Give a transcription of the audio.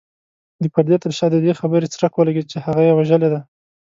د پردې تر شا د دې خبرې څرک ولګېد چې هغه يې وژلې ده.